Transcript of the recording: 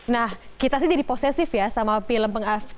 nah kita sih jadi posesif ya sama film pengabdi